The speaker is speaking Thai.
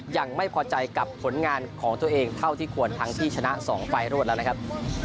ยังไม่พอใจกับผลงานของตัวเองเท่าที่ควรทั้งที่ชนะ๒ไฟล์รวดแล้วนะครับ